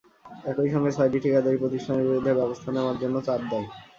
একই সঙ্গে ছয়টি ঠিকাদারি প্রতিষ্ঠানের বিরুদ্ধে ব্যবস্থা নেওয়ার জন্য চাপ দেয়।